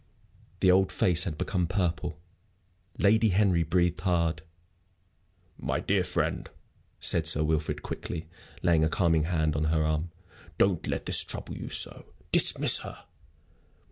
The old face had become purple. Lady Henry breathed hard. "My dear friend," said Sir Wilfrid, quickly, laying a calming hand on her arm, "don't let this trouble you so. Dismiss her."